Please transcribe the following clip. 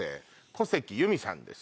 小関由美さんです